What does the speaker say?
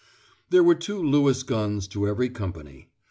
There were two Lewis guns to every company.